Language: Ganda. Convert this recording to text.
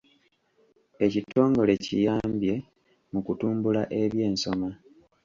Ekitongole kiyambye mu kutumbula eby'ensoma.